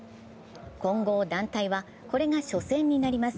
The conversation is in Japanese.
混合団体はこれが初戦になります。